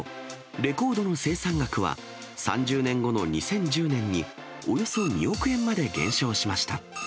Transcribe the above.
レコードの生産額は、３０年後の２０１０年に、およそ２億円まで減少しました。